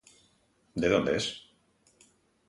_¿De onde es?